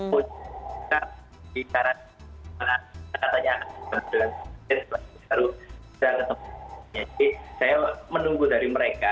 pertama kali saya menunggu dari mereka